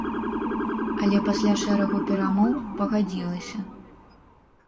Але пасля шэрагу перамоў пагадзілася.